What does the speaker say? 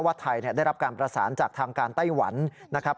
ไทยได้รับการประสานจากทางการไต้หวันนะครับ